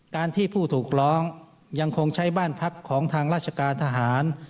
การที่ผู้ถูกร้องยังคงใช้บ้านพักของทางราชการทหาร